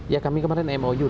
ya kami kemarin mo juga